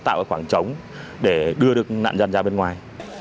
tạo khoảng trống để đưa được nạn nhân ra bên ngoài